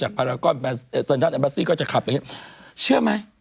จากพารากอนแบร์ซีก็จะขับอย่างนี้เชื่อไหม